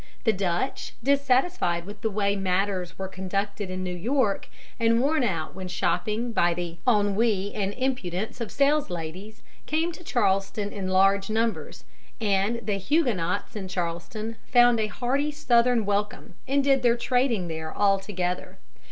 The Dutch, dissatisfied with the way matters were conducted in New York, and worn out when shopping by the ennui and impudence of the salesladies, came to Charleston in large numbers, and the Huguenots in Charleston found a hearty Southern welcome, and did their trading there altogether.